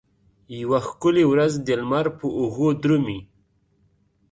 یوه ښکلې ورځ د لمر په اوږو درومې